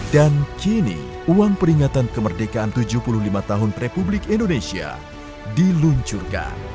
dan kini uang peringatan kemerdekaan tujuh puluh lima tahun republik indonesia diluncurkan